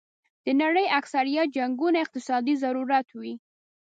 د نړۍ اکثریت جنګونه اقتصادي ضرورت وي.